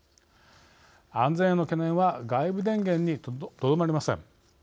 安全への懸念は外部電源にとどまりません。